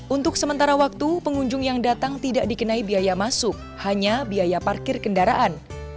untuk sementara waktu pengunjung yang datang tidak dikenai biaya masuk hanya biaya parkir kendaraan